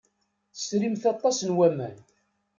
Tesrimt aṭas n waman.